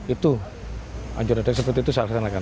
itu anjuran seperti itu saya laksanakan